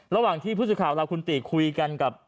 ระหว่างที่ผู้สื่อข่าวเราคุณติคุยกันกับ